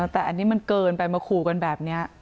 แต่อันนี้มันเกินไปมาขู่กันแบบนี้